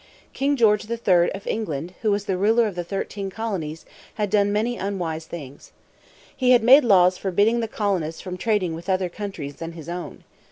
King George the Third of England, who was the ruler of the thirteen colonies, had done many unwise things. He had made laws forbidding the colonists from trading with other countries than his own.